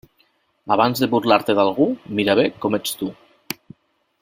Abans de burlar-te d'algú, mira bé com ets tu.